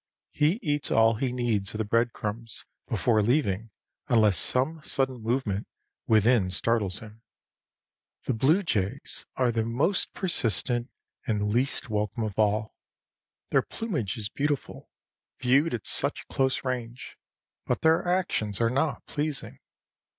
He eats all he needs of the bread crumbs before leaving, unless some sudden movement within startles him. The blue jays are the most persistent and least welcome of all. Their plumage is beautiful, viewed at such close range, but their actions are not pleasing.